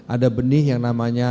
ada benih yang namanya